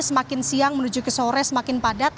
semakin siang menuju ke sore semakin padat